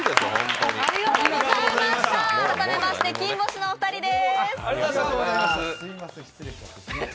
改めましてキンボシのお二人です。